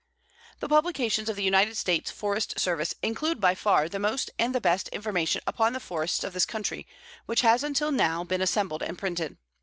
The publications of the United States Forest Service include by far the most and the best information upon the forests of this country which has until now been assembled and printed.